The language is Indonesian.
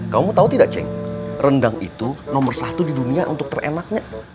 kamu tahu tidak cek rendang itu nomor satu di dunia untuk terenaknya